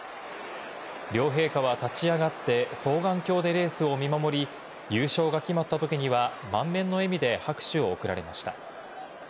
両陛下は立ち上がって双眼鏡でレースを見守り、優勝が決まったときには、満面の笑みで拍手を送られました。